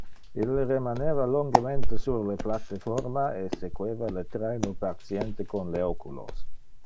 Ille remaneva longemente sur le platteforma e sequeva le traino partiente con le oculos.